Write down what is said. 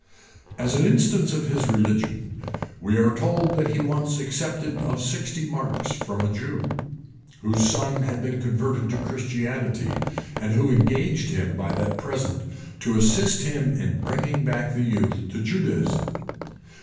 As an instance of his religion, we are told that he once accepted of sixty marks from a Jew, whose son had been converted to Christianity, and who engaged him by that present to assist him in bringing back the youth to Judaism.